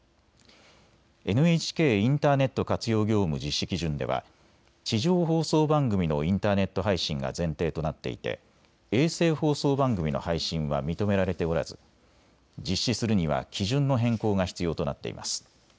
ＮＨＫインターネット活用業務実施基準では地上放送番組のインターネット配信が前提となっていて衛星放送番組の配信は認められておらず実施するには基準の変更が必要となっています。